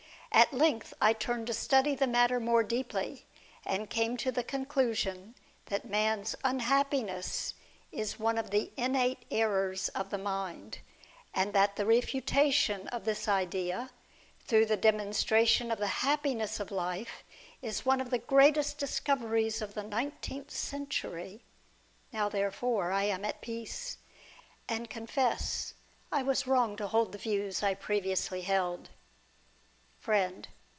At length I turned to study the matter more deeply, and came to the conclusion that man's unhappiness is one of the innate errors of the mind, and that the refutation of this idea, through the demonstration of the happiness of life, is one of the greatest discoveries of the nineteenth century. Now, therefore, I am at peace, and confess I was wrong to hold the views I previously held. . Friend.